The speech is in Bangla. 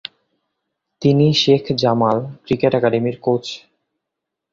তিনি শেখ জামাল ক্রিকেট একাডেমির কোচ।